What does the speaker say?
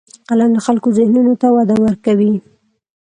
قلم د خلکو ذهنونو ته وده ورکوي